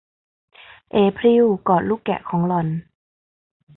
เอพริลกอดลูกแกะของหล่อน